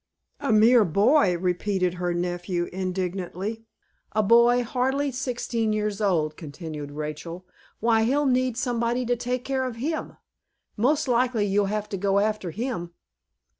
"A mere boy!" repeated her nephew, indignantly. "A boy hardly sixteen years old," continued Rachel. "Why, he'll need somebody to take care of him. Most likely you'll have to go after him."